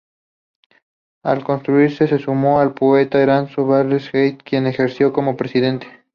Al constituirse, se sumó el poeta Erasmo Bernales Gaete, quien ejerció como presidente.